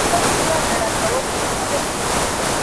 لاسونه د رنګولو لپاره دي